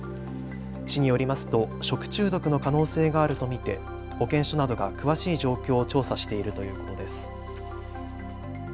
市によりますと食中毒の可能性があると見て保健所などが詳しい状況を調査しているということです。